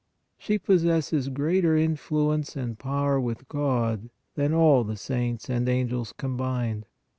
She possesses greater influence and power with God than all the saints and angels combined.